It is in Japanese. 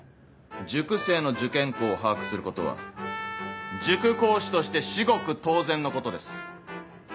塾生の受験校を把握することは塾講師として至極当然のことです。